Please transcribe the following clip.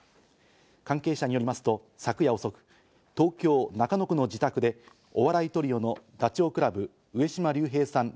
関係者によりますと昨夜遅く、東京・中野区の自宅でお笑いトリオのダチョウ倶楽部・上島竜兵さん